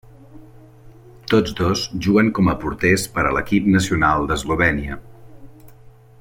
Tots dos juguen com a porters per a l'equip nacional d'Eslovènia.